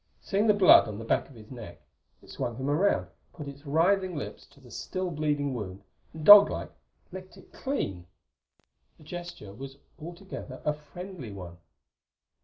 Seeing the blood on the back of his neck, it swung him around, put its writhing lips to the still bleeding wound and dog like licked it clean. The gesture was altogether a friendly one.